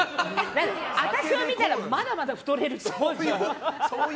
私を見たら、まだまだ太れるって。